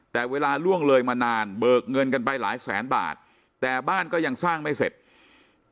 แต่เวลาล่วงเลยมานานเบิกเงินกันไปหลายแสนบาทแต่บ้านก็ยังสร้างไม่เสร็จ